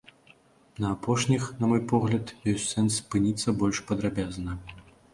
На апошніх, на мой погляд, ёсць сэнс спыніцца больш падрабязна.